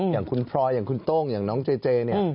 อย่างคุณพลอยอย่างคุณโต้งอย่างน้องเจเจเนี่ย